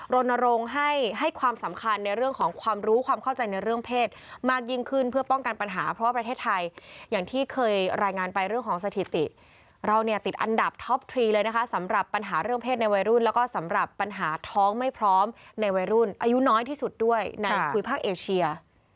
รณรงค์ให้ความสำคัญในเรื่องของความรู้ความเข้าใจในเรื่องเพศมากยิ่งขึ้นเพื่อป้องกันปัญหาเพราะว่าประเทศไทยอย่างที่เคยรายงานไปเรื่องของสถิติเราเนี่ยติดอันดับท็อปทรีเลยนะคะสำหรับปัญหาเรื่องเศษในวัยรุ่นแล้วก็สำหรับปัญหาท้องไม่พร้อมในวัยรุ่นอายุน้อยที่สุดด้วยในภูมิภาคเอเชีย